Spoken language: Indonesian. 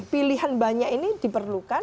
pilihan banyak ini diperlukan